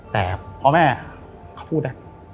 แต่พอแม่เค้าพูด